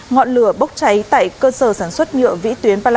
ngọn lửa bốc cháy tại cơ sở sản xuất nhựa vĩ tuyến